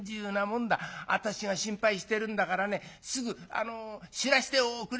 「私が心配してるんだからねすぐ知らしておくれよ」。